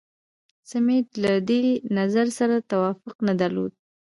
سمیت له دې نظر سره توافق نه درلود.